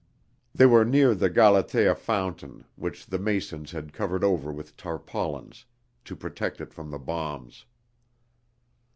(They were near the Galathea Fountain, which the masons had covered over with tarpaulins to protect it from the bombs.)